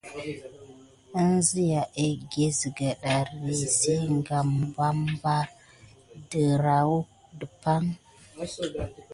Ənzia egge zega ɗari si kan mabarain dirayuck dapay.